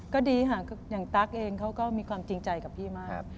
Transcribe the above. ก็ดีแฬ๊กเขาก็มีความจริงใจกับพี่มาก